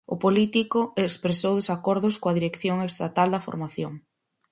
O político expresou desacordos coa dirección estatal da formación.